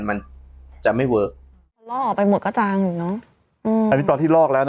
มันจะไม่เวอะพอล่อออกไปหมดก็จางอยู่เนอะอืมอันนี้ตอนที่ลอกแล้วนะ